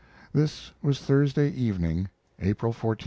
This was Thursday evening, April 14, 1910.